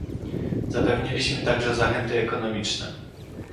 Zapewniliśmy także zachęty ekonomiczne